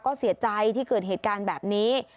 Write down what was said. ก็เสียใจที่เกิดเหตุการณ์แบบนี้